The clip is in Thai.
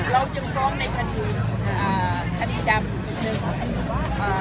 เราจะฟ้องในคดีจำ๑๐๘